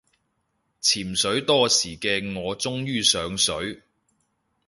潛水多時嘅我終於上水